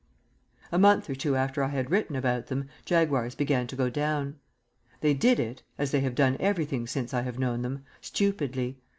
A month or two after I had written about them, Jaguars began to go down. They did it (as they have done everything since I have known them) stupidly.